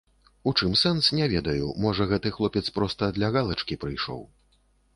У чым сэнс, не ведаю, можа, гэты хлопец проста для галачкі прыйшоў.